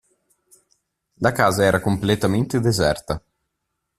La casa era completamente deserta.